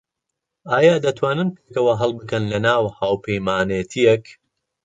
ئایا دەتوانن پێکەوە هەڵبکەن لەناو هاوپەیمانێتییەک؟